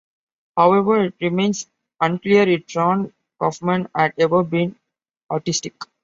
However, it remains unclear if Raun Kaufman had ever been autistic.